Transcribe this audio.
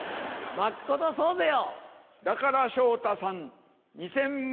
まっことそうぜよ。